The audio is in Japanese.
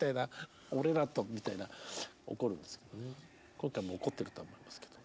今回も怒ってると思いますけど。